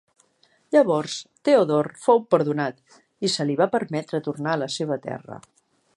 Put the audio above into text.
Llavors Teodor fou perdonat i se li va permetre tornar a la seva terra.